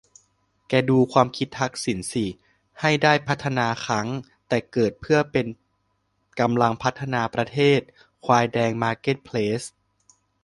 แกดูความคิดทักษิณสิให้ได้พัฒนาคั้งแต่เกิดเพื่อเป็นกำลังพัฒนาประเทศ ควายแดงมาร์เก็ตเพลส